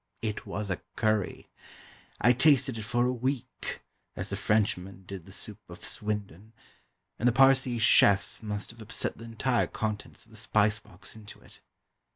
It was a curry! I tasted it for a week (as the Frenchman did the soup of Swindon); and the Parsee chef must have upset the entire contents of the spice box into it.